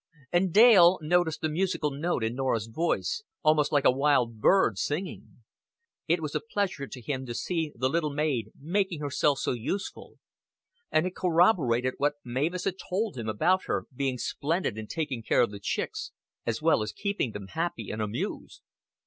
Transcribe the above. And Dale noticed the musical note in Norah's voice, almost like a wild bird singing. It was a pleasure to him to see the little maid making herself so useful; and it corroborated what Mavis had told him about her being splendid in taking care of the chicks, as well as keeping them happy and amused.